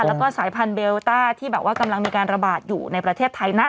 แล้วก็สายพันธุเบลต้าที่แบบว่ากำลังมีการระบาดอยู่ในประเทศไทยนะ